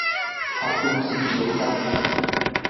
hatun sinqayuq kanki.